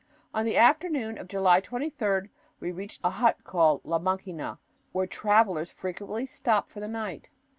On the afternoon of July 23d we reached a hut called "La Maquina," where travelers frequently stop for the night.